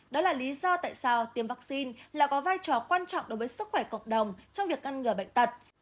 đó là lý do tại sao tiêm vaccine là có vai trò quan trọng đối với sức khỏe cộng đồng trong việc ngăn ngừa bệnh tật